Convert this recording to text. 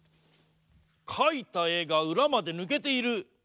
かいたえがうらまでぬけている。